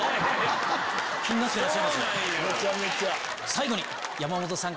最後に。